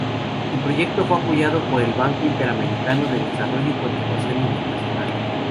El proyecto fue apoyado por el Banco Interamericano de Desarrollo y Conservación Internacional.